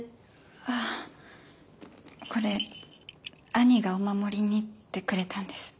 あこれ兄がお守りにってくれたんです。